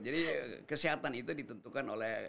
jadi kesehatan itu ditentukan oleh